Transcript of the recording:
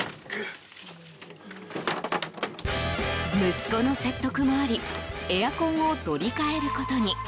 息子の説得もありエアコンを取り替えることに。